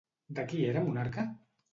De qui era monarca?